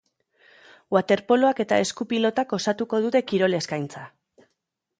Waterpoloak eta esku-pilotak osatuko dute kirol eskaintza.